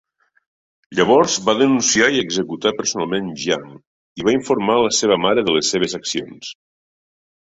Llavors va denunciar i executar personalment Jiang i va informar la seva mare de les seves accions.